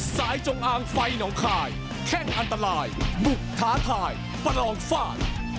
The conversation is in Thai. จงอางไฟหนองคายแข้งอันตรายบุกท้าทายประลองฟาด